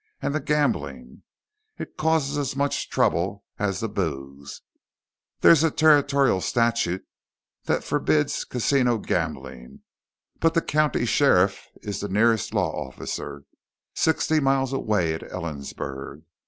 And the gambling. It causes as much trouble as the booze. There's a territorial statute that forbids casino gambling, but the county sheriff is the nearest law officer sixty miles away at Ellensburg.